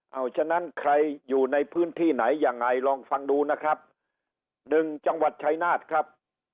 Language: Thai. เอาฉะนั้นใครอยู่ในพื้นที่ไหนยังไงลองฟังดูนะครับ๑จังหวัดชายนาฏครับ